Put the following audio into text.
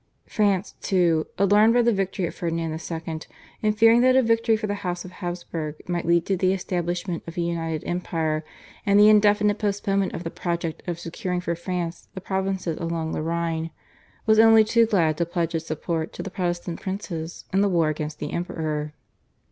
France, too, alarmed by the victory of Ferdinand II., and fearing that a victory for the House of Habsburg might lead to the establishment of a united empire and the indefinite postponement of the project of securing for France the provinces along the Rhine, was only too glad to pledge its support to the Protestant princes in the war against the Emperor.